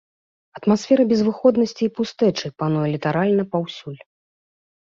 Атмасфера безвыходнасці і пустэчы пануе літаральна паўсюль.